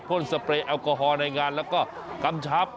่นสเปรย์แอลกอฮอล์ในงานแล้วก็กำชับ